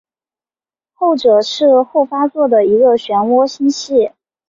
后者是后发座的一个旋涡星系。